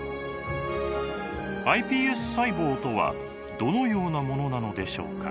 ｉＰＳ細胞とはどのようなものなのでしょうか？